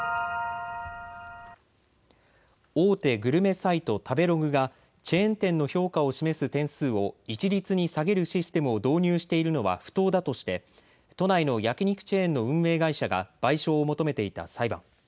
大手グルメサイト、食べログがチェーン店の評価を示す点数を一律に下げるシステムを導入しているのは不当だとして都内の焼き肉チェーンの運営会社が賠償を求めていた裁判。